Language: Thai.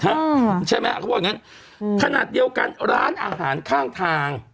หรอใช่ไหมเขาพูดอย่างงี้คณะเดียวกันล้านอาหารข้างทาง